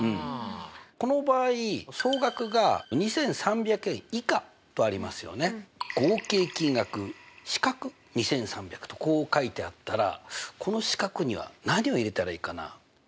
この場合総額が２３００円以下とありますよね。とこう書いてあったらこの四角には何を入れたらいいかな？